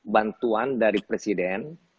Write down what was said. bantuan dari presiden